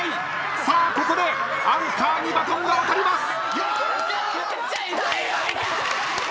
さあここでアンカーにバトンが渡ります。